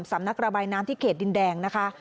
สำนักระบายน้ำที่เขตดินแดงนะคะ